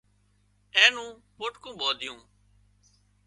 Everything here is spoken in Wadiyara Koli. اين نون پوٽڪُون ٻانڌيون